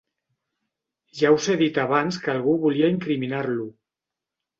Ja us he dit abans que algú volia incriminar-lo.